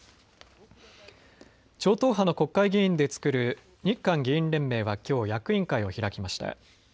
超党派の国会議員で作る日韓議員連盟はきょう役員会を開きました。